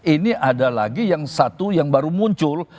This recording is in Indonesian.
ini ada lagi yang satu yang baru muncul